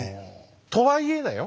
とはいえだよ？